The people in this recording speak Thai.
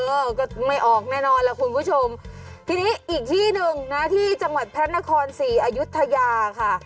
เออก็ไม่ออกแน่นอนล่ะคุณผู้ชมทีนี้อีกที่หนึ่งนะที่จังหวัดพระนครศรีอายุทยาค่ะ